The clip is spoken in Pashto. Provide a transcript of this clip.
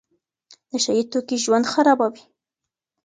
نشه يي توکي ژوند خرابوي.